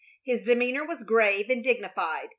His demeanor was grave and dignified.